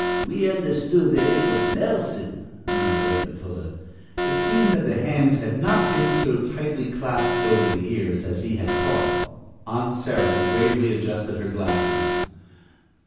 "We understood that it was Nelson," murmured Aunt Matilda. It seemed that the hands had not been so tightly clasped over the ears as he had thought. Aunt Sarah gravely adjusted her glasses.